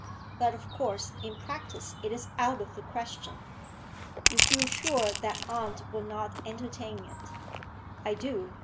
But, of course, in practice it is out of the question.' 'You feel sure that aunt would not entertain it?' 'I do.